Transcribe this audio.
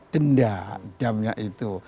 denda damnya itu